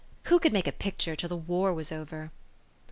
Who could make a picture till the war was over